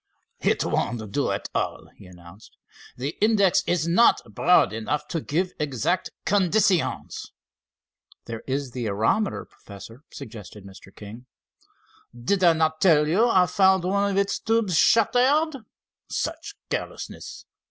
"It won't do at all," he announced. "The index is not broad enough to give exact conditions." "There is the aerometer, Professor," suggested Mr. King. "Did I not tell you I found one of its tubes shattered? Such carelessness!